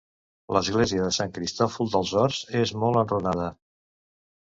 L'església de Sant Cristòfol dels Horts és molt enrunada.